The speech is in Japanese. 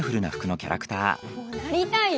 こうなりたいよ！